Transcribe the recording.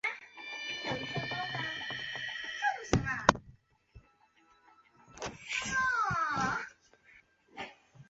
后因资源枯竭而导致失业率上升。